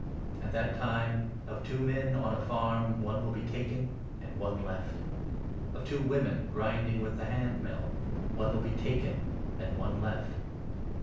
At that time, of 40 two men on a farm one will be taken and one left ; of two 41 women grinding with the hand mill one will be taken and one left.